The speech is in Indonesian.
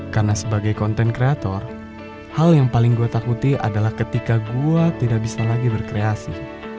karena sebagai konten kreator hal yang paling gue takuti adalah ketika gue tidak bisa lagi berkreasi